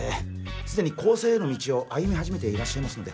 すでに更生への道を歩み始めていらっしゃいますので